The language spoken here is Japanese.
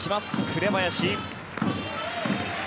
紅林。